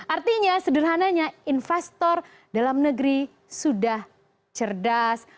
artinya sederhananya investor dalam negeri sudah cerdas